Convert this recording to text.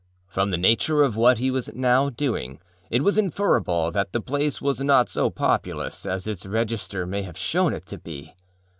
â From the nature of what he was now doing it was inferable that the place was not so populous as its register may have shown it to be.